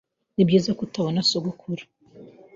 Nibyiza ko utabona sogokuru.